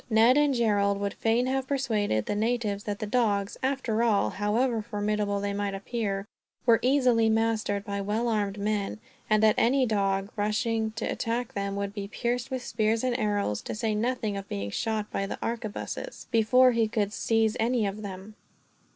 Ned and Gerald would fain have persuaded the natives that dogs, after all, however formidable they might appear, were easily mastered by well armed men; and that any dog rushing to attack them would be pierced with spears and arrows, to say nothing of being shot by the arquebuses, before he could seize any of them.